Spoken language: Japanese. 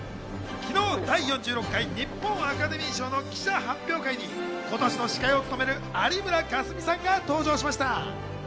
昨日、第４６回日本アカデミー賞の記者発表会に今年の司会を務める有村架純さんが登場しました。